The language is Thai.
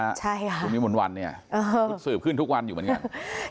เป็นข่าวทุกวันนะฮะตรงนี้หมดวันเนี่ยสืบขึ้นทุกวันอยู่เหมือนกัน